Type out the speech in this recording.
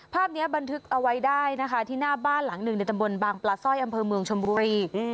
ภาพนี้บันทึกเอาไว้ได้นะคะที่หน้าบ้านหลังหนึ่งในตำบลบางปลาสร้อยอำเภอเมืองชมบุรี